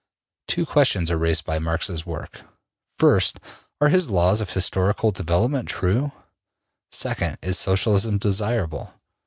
Two questions are raised by Marx's work: First, Are his laws of historical development true? Second, Is Socialism desirable?